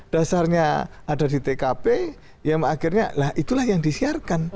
dasarnya ada di tkp yang akhirnya lah itulah yang disiarkan